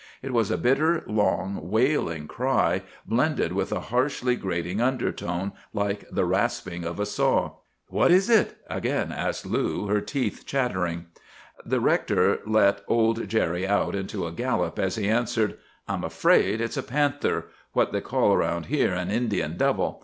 It was a bitter, long, wailing cry, blended with a harshly grating undertone, like the rasping of a saw. "'What is it?' again asked Lou, her teeth chattering. "The rector let old Jerry out into a gallop, as he answered, 'I'm afraid it's a panther,—what they call around here an "Indian devil."